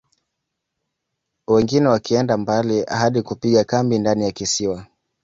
Wengine wakienda mbali hadi kupiga kambi ndani ya kisiwa